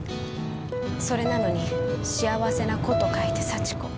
それなのに幸せな子と書いて「幸子」。